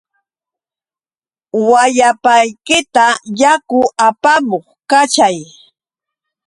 Wayapaykita yaku apamuq kachay.